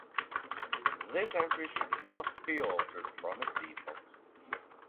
This entry should not be altered from its default.